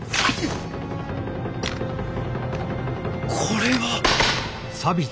これは。